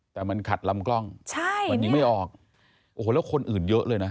แต่มันขัดลำกล้องใช่มันยิงไม่ออกโอ้โหแล้วคนอื่นเยอะเลยนะ